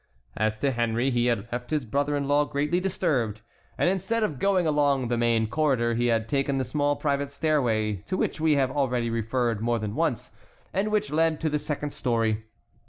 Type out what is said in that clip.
As to Henry he had left his brother in law greatly disturbed, and instead of going along the main corridor he had taken the small private stairway, to which we have already referred more than once, and which led to the second story.